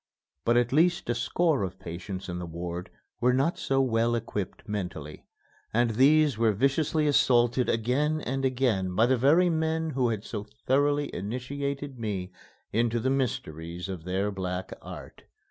But at least a score of patients in the ward were not so well equipped mentally, and these were viciously assaulted again and again by the very men who had so thoroughly initiated me into the mysteries of their black art.